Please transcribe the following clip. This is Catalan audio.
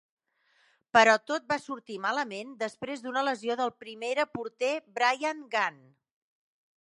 Però tot va sortir malament, després d'una lesió del primera porter Bryan Gunn.